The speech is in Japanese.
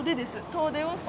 遠出をして。